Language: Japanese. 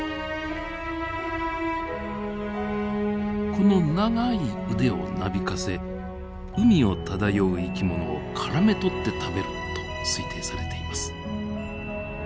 この長い腕をなびかせ海を漂う生き物をからめ捕って食べると推定されています。